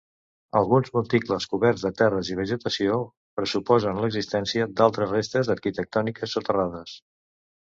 Alguns monticles coberts de terres i vegetació pressuposen l'existència d'altres restes arquitectòniques soterrades.